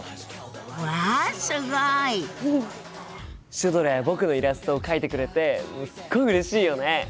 シュドラや僕のイラストを描いてくれてすっごいうれしいよね！